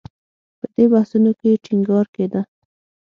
په دې بحثونو کې ټینګار کېده